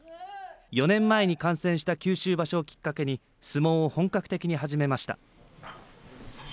４年前に観戦した九州場所をきっかけに相撲を本格的に始めました。